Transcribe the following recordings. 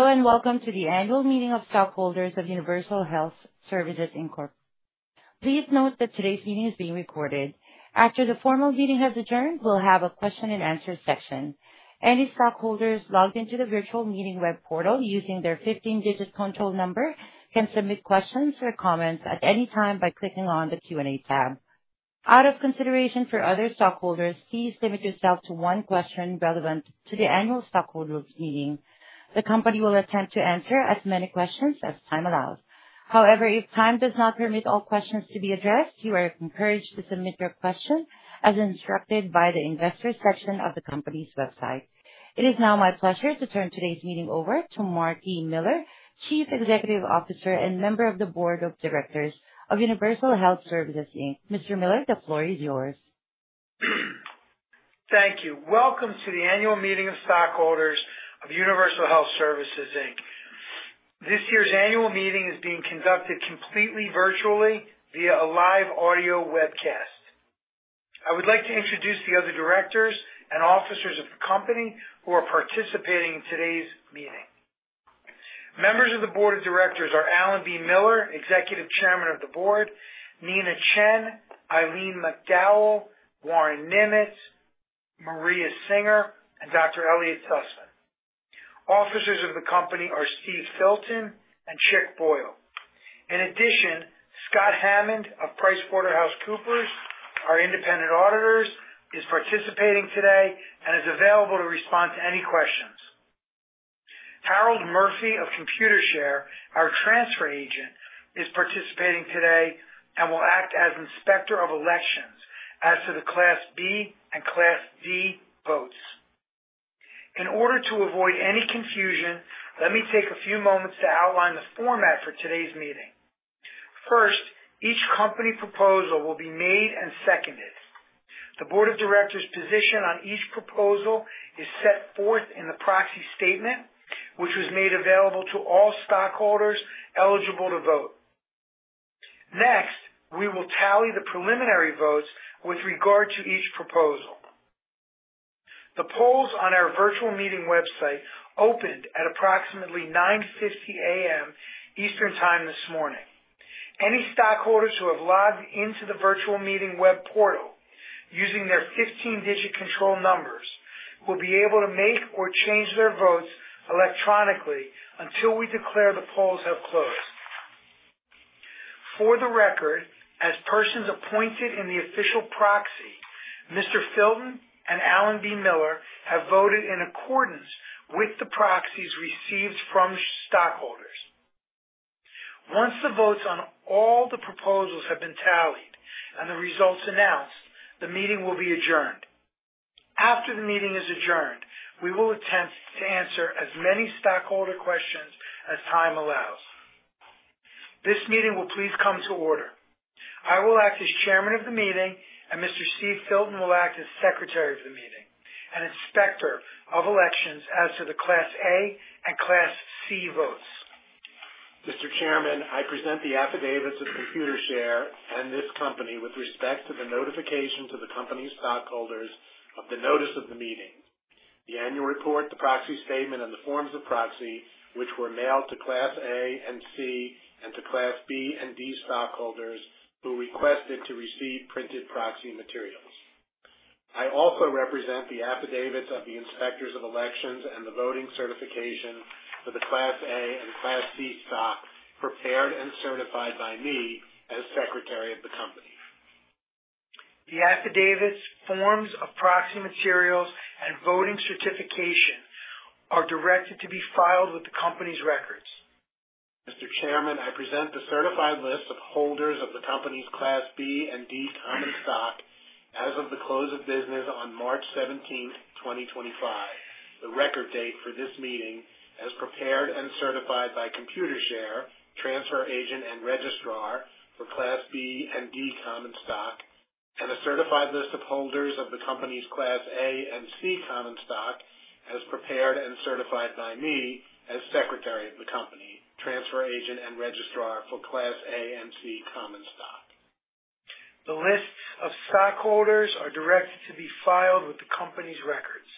Hello, and welcome to the annual meeting of stockholders of Universal Health Services, Inc. Please note that today's meeting is being recorded. After the formal meeting has adjourned, we'll have a question-and-answer session. Any stockholders logged into the virtual meeting web portal using their 15-digit phone number can submit questions or comments at any time by clicking on the Q&A tab. Out of consideration for other stockholders, please limit yourself to one question relevant to the annual stockholders' meeting. The company will attempt to answer as many questions as time allows. However, if time does not permit all questions to be addressed, you are encouraged to submit your question as instructed by the investor section of the company's website. It is now my pleasure to turn today's meeting over to Marc D. Miller, Chief Executive Officer and member of the Board of Directors of Universal Health Services, Inc. Mr. Miller, the floor is yours. Thank you. Welcome to the annual meeting of stockholders of Universal Health Services, Inc. This year's annual meeting is being conducted completely virtually via a live audio webcast. I would like to introduce the other directors and officers of the company who are participating in today's meeting. Members of the Board of Directors are Alan B. Miller, Executive Chairman of the Board, Nina Chen, Eileen McDonnell, Warren Nimetz, Maria Singer, and Dr. Elliot Sussman. Officers of the company are Steve Filton and Chick Boyle. In addition, Scott Hammond of PricewaterhouseCoopers, our independent auditors, is participating today and is available to respond to any questions. Harold Murphy of Computershare, our transfer agent, is participating today and will act as inspector of elections as to the Class B and Class D votes. In order to avoid any confusion, let me take a few moments to outline the format for today's meeting. First, each company proposal will be made and seconded. The board of directors' position on each proposal is set forth in the proxy statement, which was made available to all stockholders eligible to vote. Next, we will tally the preliminary votes with regard to each proposal. The polls on our virtual meeting website opened at approximately 9:50 A.M. Eastern Time this morning. Any stockholders who have logged into the virtual meeting web portal using their 15-digit control numbers will be able to make or change their votes electronically until we declare the polls have closed. For the record, as persons appointed in the official proxy, Mr. Filton and Alan B. Miller have voted in accordance with the proxies received from stockholders. Once the votes on all the proposals have been tallied and the results announced, the meeting will be adjourned. After the meeting is adjourned, we will attempt to answer as many stockholder questions as time allows. This meeting will please come to order. I will act as Chairman of the meeting, and Mr. Steve Filton will act as Secretary of the meeting and inspector of elections as to the Class A and Class C votes. Mr. Chairman, I present the affidavits of Computershare and this company with respect to the notification to the company's stockholders of the notice of the meeting, the annual report, the proxy statement, and the forms of proxy which were mailed to Class A and Class C and to Class B and Class D stockholders who requested to receive printed proxy materials. I also represent the affidavits of the inspectors of elections and the voting certification for the Class A and Class C stock prepared and certified by me as Secretary of the company. The affidavits, forms of proxy materials, and voting certification are directed to be filed with the company's records. Mr. Chairman, I present the certified list of holders of the company's Class B and Class D common stock as of the close of business on March 17th, 2025, the record date for this meeting as prepared and certified by Computershare, transfer agent and registrar for Class B and Class D common stock, and a certified list of holders of the company's Class A and Class C common stock as prepared and certified by me as Secretary of the company, transfer agent and registrar for Class A and Class C common stock. The lists of stockholders are directed to be filed with the company's records.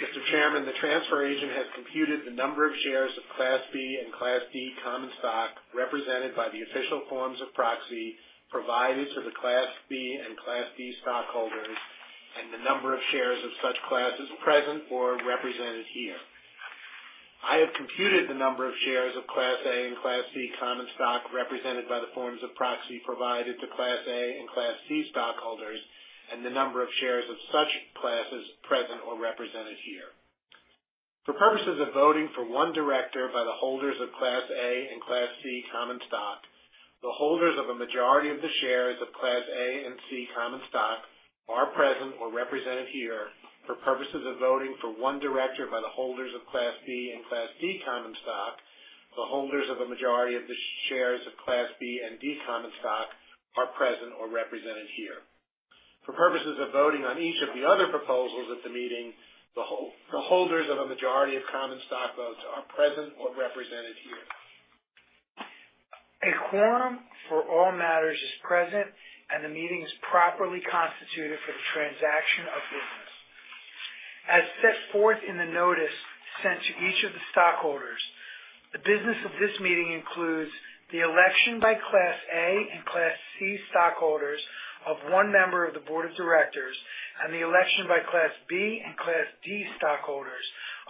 Mr. Chairman, the transfer agent has computed the number of shares of Class B and Class D common stock represented by the official forms of proxy provided to the Class B and Class D stockholders and the number of shares of such classes present or represented here. I have computed the number of shares of Class A and Class C common stock represented by the forms of proxy provided to Class A and Class C stockholders and the number of shares of such classes present or represented here. For purposes of voting for one director by the holders of Class A and Class C common stock, the holders of a majority of the shares of Class A and Class C common stock are present or represented here. For purposes of voting for one director by the holders of Class B and Class D common stock, the holders of a majority of the shares of Class B and Class D common stock are present or represented here. For purposes of voting on each of the other proposals at the meeting, the holders of a majority of common stock votes are present or represented here. A quorum for all matters is present, and the meeting is properly constituted for the transaction of business. As set forth in the notice sent to each of the stockholders, the business of this meeting includes the election by Class A and Class C stockholders of one member of the board of directors and the election by Class B and Class D stockholders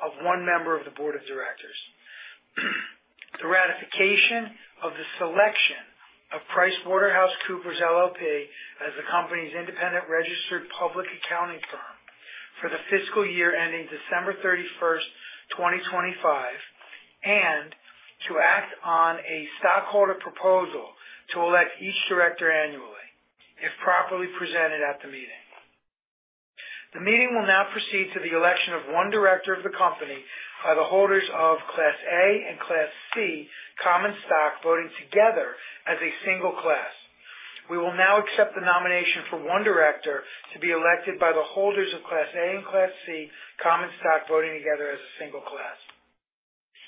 of one member of the board of directors. The ratification of the selection of PricewaterhouseCoopers LLP as the company's independent registered public accounting firm for the fiscal year ending December 31st, 2025, and to act on a stockholder proposal to elect each director annually, if properly presented at the meeting. The meeting will now proceed to the election of one director of the company by the holders of Class A and Class C common stock voting together as a single class. We will now accept the nomination for one director to be elected by the holders of Class A and Class C common stock voting together as a single class.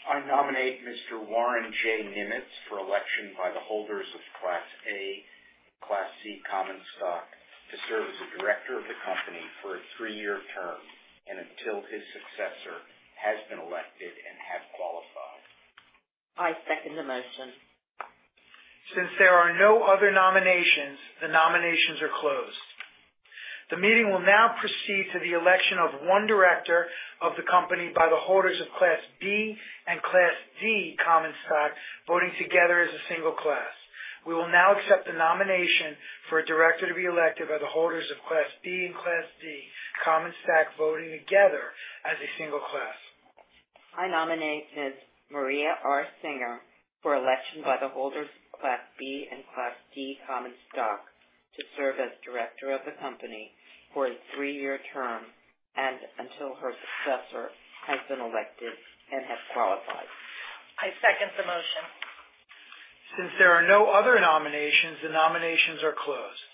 I nominate Mr. Warren J. Nimetz for election by the holders of Class A and Class C common stock to serve as a director of the company for a three-year term until his successor has been elected and have qualified. I second the motion. Since there are no other nominations, the nominations are closed. The meeting will now proceed to the election of one director of the company by the holders of Class B and Class D common stock voting together as a single class. We will now accept the nomination for a director to be elected by the holders of Class B and Class D common stock voting together as a single class. I nominate Ms. Maria R. Singer for election by the holders of Class B and Class D common stock to serve as director of the company for a three-year term until her successor has been elected and have qualified. I second the motion. Since there are no other nominations, the nominations are closed.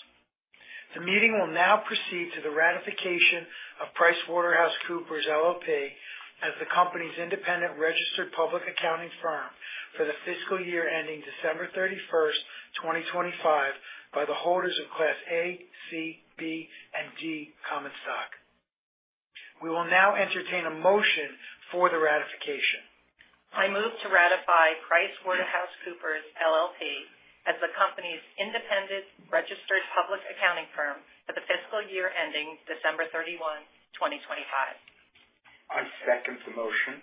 The meeting will now proceed to the ratification of PricewaterhouseCoopers LLP as the company's independent registered public accounting firm for the fiscal year ending December 31st, 2025, by the holders of Class A, Class C, Class B, and Class D common stock. We will now entertain a motion for the ratification. I move to ratify PricewaterhouseCoopers LLP as the company's independent registered public accounting firm for the fiscal year ending December 31st, 2025. I second the motion.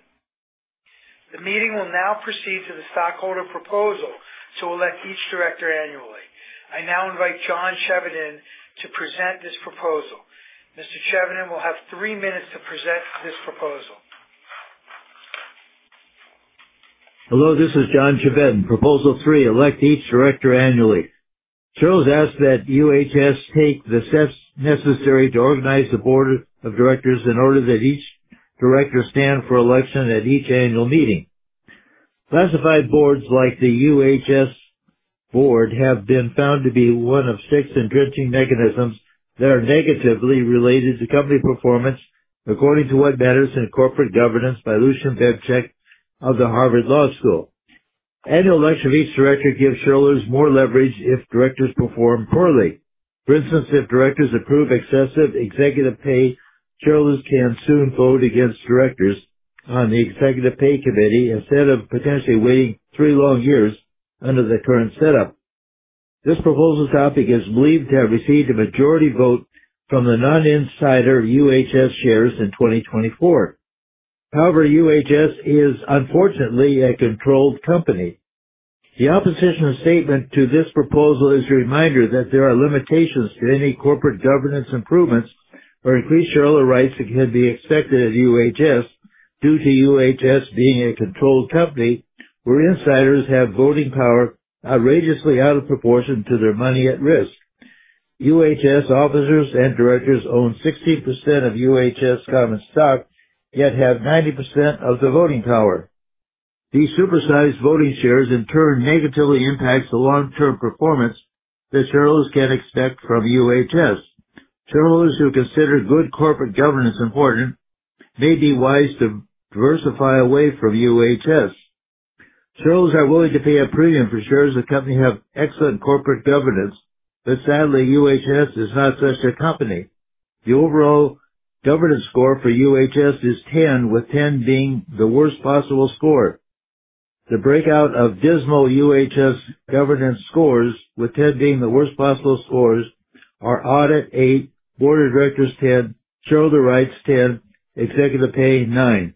The meeting will now proceed to the stockholder proposal to elect each director annually. I now invite John Chevedden to present this proposal. Mr. Chevedden will have three minutes to present this proposal. Hello, this is John Chevedden. Proposal three, elect each director annually. Charles asked that UHS take the steps necessary to organize the board of directors in order that each director stand for election at each annual meeting. Classified boards like the UHS board have been found to be one of six entrenching mechanisms that are negatively related to company performance according to What Matters in Corporate Governance by Lucian Bebchuk of the Harvard Law School. Annual election of each director gives shareholders more leverage if directors perform poorly. For instance, if directors approve excessive executive pay, shareholders can soon vote against directors on the executive pay committee instead of potentially waiting three long years under the current setup. This proposal's topic is believed to have received a majority vote from the non-insider UHS shares in 2024. However, UHS is unfortunately a controlled company. The opposition statement to this proposal is a reminder that there are limitations to any corporate governance improvements or increased shareholder rights that can be expected at UHS due to UHS being a controlled company where insiders have voting power outrageously out of proportion to their money at risk. UHS officers and directors own 60% of UHS common stock, yet have 90% of the voting power. These supersized voting shares, in turn, negatively impact the long-term performance that shareholders can expect from UHS. Shareholders who consider good corporate governance important may be wise to diversify away from UHS. Shareholders are willing to pay a premium for shares of the company that have excellent corporate governance, but sadly, UHS is not such a company. The overall governance score for UHS is 10, with 10 being the worst possible score. The breakout of dismal UHS governance scores, with 10 being the worst possible scores, are audit eight, board of directors 10, shareholder rights 10, executive pay nine.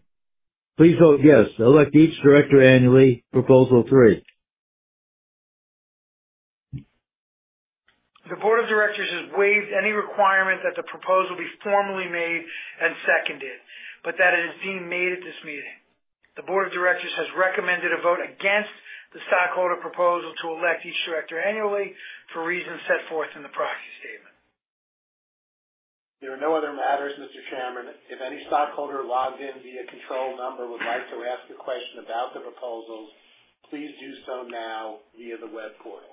Please vote yes. Elect each director annually. Proposal three. The board of directors has waived any requirement that the proposal be formally made and seconded, but that it is being made at this meeting. The board of directors has recommended a vote against the stockholder proposal to elect each director annually for reasons set forth in the proxy statement. There are no other matters, Mr. Chairman. If any stockholder logged in via control number would like to ask a question about the proposals, please do so now via the web portal.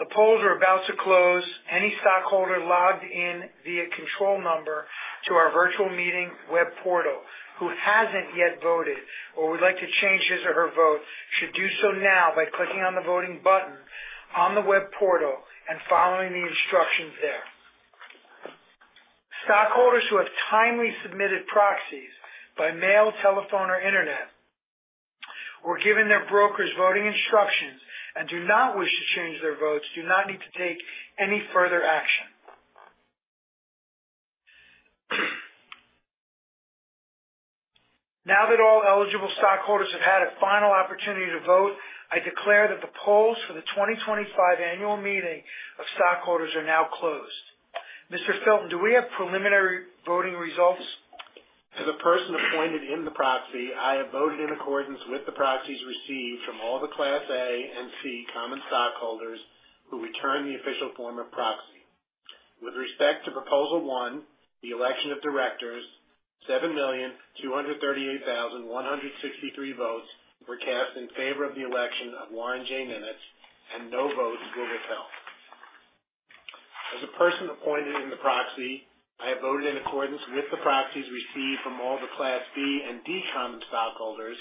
The polls are about to close. Any stockholder logged in via control number to our virtual meeting web portal who hasn't yet voted or would like to change his or her vote should do so now by clicking on the voting button on the web portal and following the instructions there. Stockholders who have timely submitted proxies by mail, telephone, or internet or given their brokers voting instructions and do not wish to change their votes do not need to take any further action. Now that all eligible stockholders have had a final opportunity to vote, I declare that the polls for the 2025 annual meeting of stockholders are now closed. Mr. Filton, do we have preliminary voting results? To the person appointed in the proxy, I have voted in accordance with the proxies received from all the Class A and Class C common stockholders who returned the official form of proxy. With respect to proposal one, the election of directors, 7,238,163 votes were cast in favor of the election of Warren J. Nimetz, and no votes were withheld. As a person appointed in the proxy, I have voted in accordance with the proxies received from all the Class B and Class D common stockholders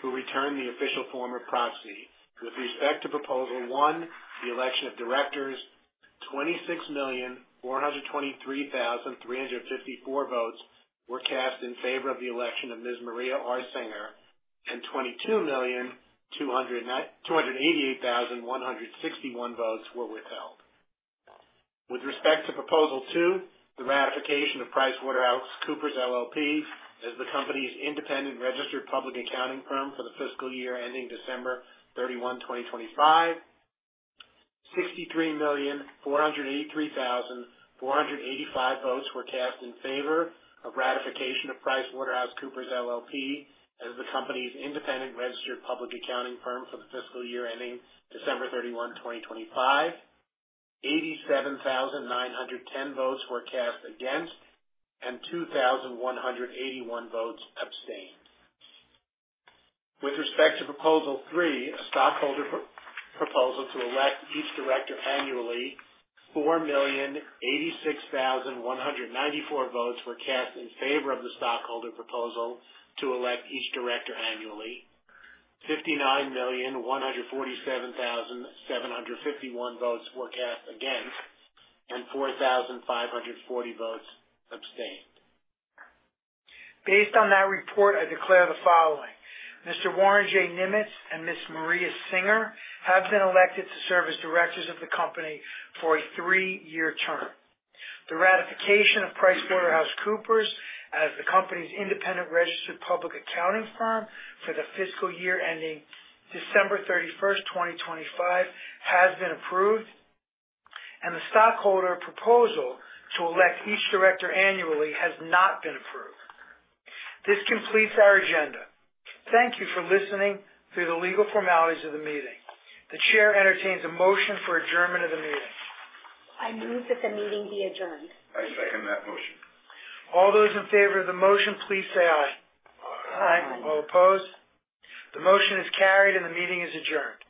who returned the official form of proxy. With respect to proposal one, the election of directors, 26,423,354 votes were cast in favor of the election of Ms. Maria R. Singer, and 22,288,161 votes were withheld. With respect to proposal two, the ratification of PricewaterhouseCoopers LLP as the company's independent registered public accounting firm for the fiscal year ending December 31, 2025, 63,483,485 votes were cast in favor of ratification of PricewaterhouseCoopers LLP as the company's independent registered public accounting firm for the fiscal year ending December 31, 2025. 87,910 votes were cast against, and 2,181 votes abstained. With respect to proposal three, a stockholder proposal to elect each director annually, 4,086,194 votes were cast in favor of the stockholder proposal to elect each director annually. 59,147,751 votes were cast against, and 4,540 votes abstained. Based on that report, I declare the following: Mr. Warren J. Nimetz and Ms. Maria R. Singer have been elected to serve as directors of the company for a three-year term. The ratification of PricewaterhouseCoopers as the company's independent registered public accounting firm for the fiscal year ending December 31st, 2025, has been approved, and the stockholder proposal to elect each director annually has not been approved. This completes our agenda. Thank you for listening through the legal formalities of the meeting. The chair entertains a motion for adjournment of the meeting. I move that the meeting be adjourned. I second that motion. All those in favor of the motion, please say aye. Aye. All opposed? The motion is carried, and the meeting is adjourned.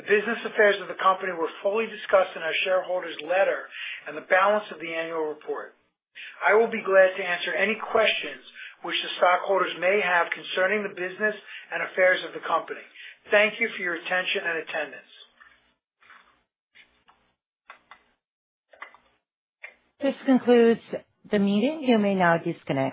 The business affairs of the company were fully discussed in our shareholders' letter and the balance of the annual report. I will be glad to answer any questions which the stockholders may have concerning the business and affairs of the company. Thank you for your attention and attendance. This concludes the meeting. You may now disconnect.